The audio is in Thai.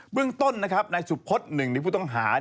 เบื้องต้นนายสุบคต๑ในผู้ต้องหา